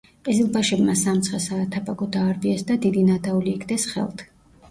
ყიზილბაშებმა სამცხე-საათაბაგო დაარბიეს და დიდი ნადავლი იგდეს ხელთ.